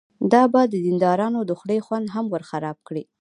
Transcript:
دا به د دیندارانو د خولې خوند هم ورخراب کړي.